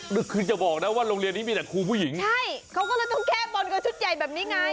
เราก็จะลำแก้โบนรอบโบน๙รอบค่ะ